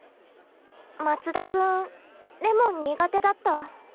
松田君レモン苦手だった？